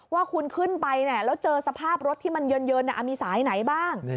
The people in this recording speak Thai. ว่าคุณขึ้นไปแล้วเจอสภาพรถที่มันเยินมีสายไหนบ้าง